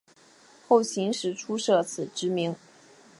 后秦时初设此职名。